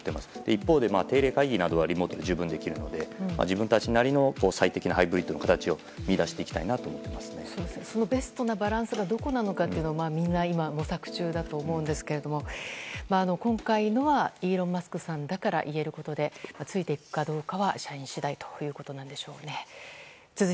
一方で定例会議などではリモートで十分できるので自分たちなりの最適なハイブリッドな形をベストなバランスがどこなのかみんな今模索中だと思うんですが今回のはイーロン・マスクさんだから言えることでついていくかどうかは社員次第ということなんでしょう。